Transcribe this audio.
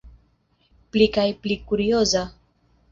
Pli kaj pli kurioza.